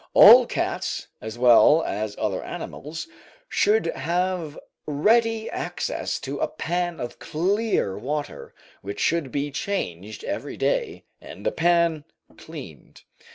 All cats, as well as other animals, should have ready access to a pan of clear water, which should be changed every day, and the pan cleaned.